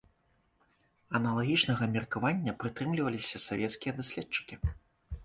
Аналагічнага меркавання прытрымліваліся савецкія даследчыкі.